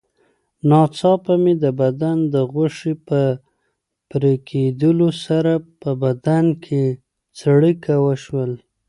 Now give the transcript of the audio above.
ناڅاپه مې د بدن د غوښې په پرېکېدلو سره په بدن کې څړیکه وشول.